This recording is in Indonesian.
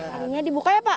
talinya dibuka ya pak